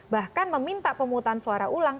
bahkan meminta pemungutan suara ulang